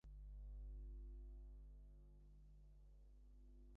হারুর বাড়িতে খবর দেওয়া হয়েছে নিতাই?